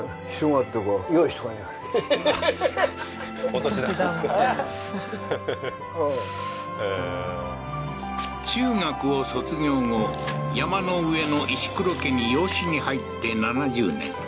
お年玉はははっ中学を卒業後山の上の石黒家に養子に入って７０年